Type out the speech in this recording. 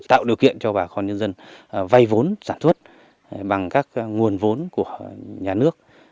tạo điều kiện cho bà con nhân dân vay vốn sản xuất bằng các nguồn vốn của nhà nước